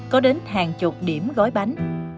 có đến hàng chục điểm gói bánh